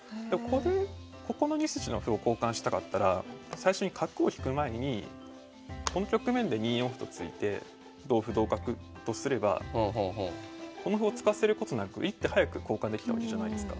ここの２筋の歩を交換したかったら最初に角を引く前にこの局面で２四歩と突いて同歩同角とすればこの歩を突かせることなく１手早く交換できたわけじゃないですか。